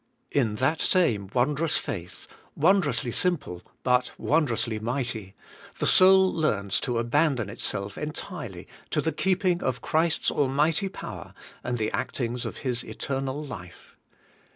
In that same wondrous faith, wondrously simple, but wondrously mighty, the soul learns to abandon itself entirely to the keeping of Christ's almighty power, and the actings of His Eternal Life.